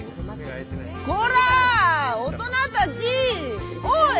コラ大人たち！おい！